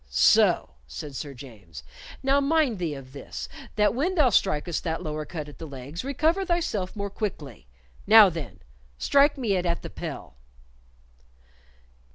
"So!" said Sir James. "Now mind thee of this, that when thou strikest that lower cut at the legs, recover thyself more quickly. Now, then, strike me it at the pel."